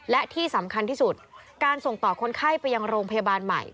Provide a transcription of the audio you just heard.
และที่สำคัญที่สุดการส่งต่อคนไข้ไปยังโรงพยาบาลใหม่